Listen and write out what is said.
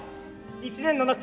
１年の夏